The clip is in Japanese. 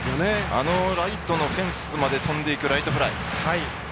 あのライトのフェンスまで飛んでいくライトフライ。